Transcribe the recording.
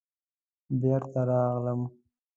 بېرته راغلم.